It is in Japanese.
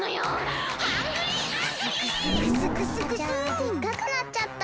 でっかくなっちゃった。